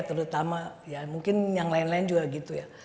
terutama ya mungkin yang lain lain juga gitu ya